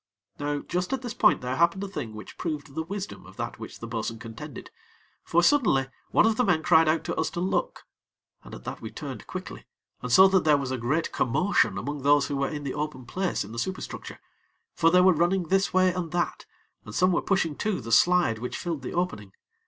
Now just at this point there happened a thing which proved the wisdom of that which the bo'sun contended; for, suddenly, one of the men cried out to us to look, and at that we turned quickly, and saw that there was a great commotion among those who were in the open place in the superstructure; for they were running this way and that, and some were pushing to the slide which filled the opening.